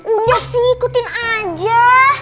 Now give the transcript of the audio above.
udah sih ikutin aja